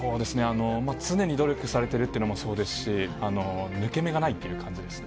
常に努力されてるっていうのもそうですし、抜け目がないっていう感じですね。